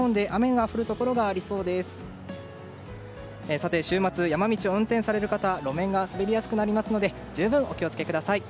さて、週末、山道を運転される方路面が滑りやすくなりますので十分、お気を付けください。